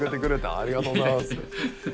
ありがとうございます。